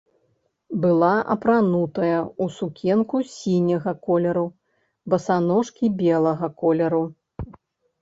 Была апранутая ў сукенку сіняга колеру, басаножкі белага колеру.